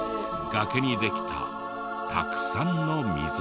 崖にできたたくさんの溝が。